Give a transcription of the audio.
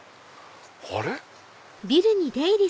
あれ？